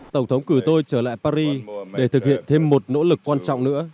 tổng thống cử tôi trở lại paris để thực hiện thêm một nỗ lực quan trọng nữa